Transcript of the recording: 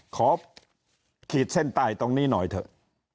ขีดเส้นใต้ตรงนี้หน่อยเถอะ